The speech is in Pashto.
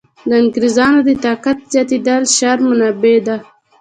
د انګرېزانو د طاقت زیاتېدل شر منبع ده.